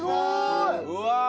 うわ！